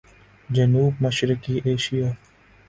جنوب مشرقی ایشیا